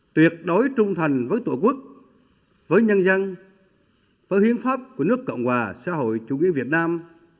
tuyệt đối trung thành với tổ quốc với nhân dân với hiến pháp của nước cộng hòa xã hội chủ nghĩa việt nam